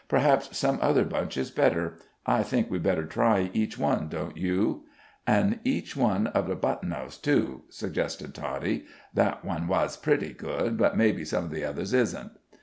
"Perhaps some other bunch is better. I think we'd better try each one, don't you?" "An' each one of the buttonanoes, too," suggested Toddie. "That one wazh pretty good, but maybe some of the others isn't."